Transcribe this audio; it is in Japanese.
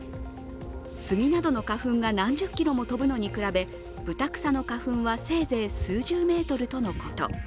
スギなどの花粉が何十キロも飛ぶのに比べ、ブタクサの花粉はせいぜい数十メートルとのこと。